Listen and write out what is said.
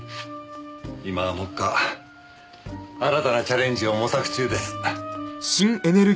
今は目下新たなチャレンジを模索中です。